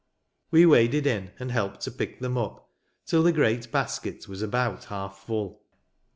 We waded in, and helped to pick them up, till the great basket was about half full.